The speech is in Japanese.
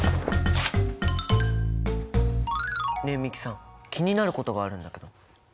ねえ美樹さん気になることがあるんだけど。